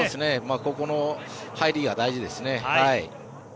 ここの入りは大事ですね。